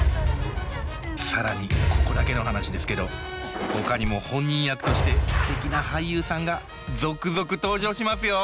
更にここだけの話ですけどほかにも本人役としてすてきな俳優さんが続々登場しますよ。